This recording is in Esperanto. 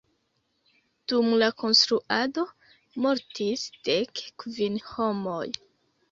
Dum la konstruado mortis dek kvin homoj.